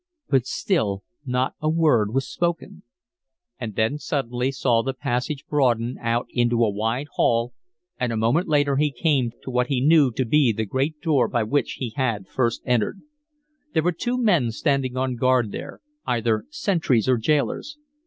But still not a word was spoken. And then suddenly Clif saw the passage broaden out into a wide hall, and a moment later he came to what he knew to be the great door by which he had first entered. There were two men standing on guard there, either sentries or jailers.